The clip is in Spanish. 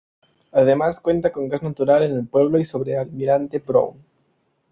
Además cuenta con gas natural en el pueblo y sobre Almirante Brown.